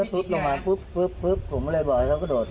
มันก็ทึกลงมาผมเลยบอกเขากะโดด